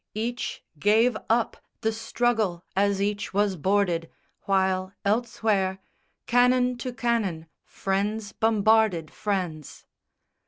Each gave up The struggle as each was boarded; while, elsewhere, Cannon to cannon, friends bombarded friends.